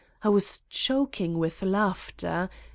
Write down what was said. I was choking with laughter